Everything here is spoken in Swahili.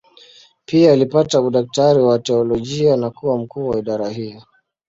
Pia alipata udaktari wa teolojia na kuwa mkuu wa idara hiyo.